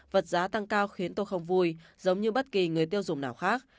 vật giá tăng cao khiến tôi không vui giống như bất kỳ người tiêu dùng nào khác